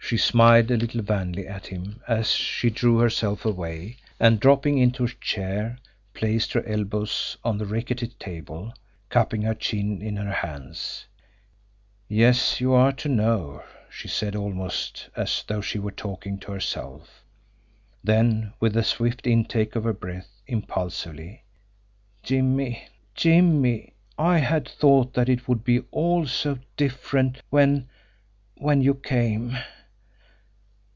She smiled a little wanly at him, as she drew herself away, and, dropping into a chair, placed her elbows on the rickety table, cupping her chin in her hands. "Yes; you are to know now," she said, almost as though she were talking to herself; then, with a swift intake of her breath, impulsively: "Jimmie! Jimmie! I had thought that it would be all so different when when you came.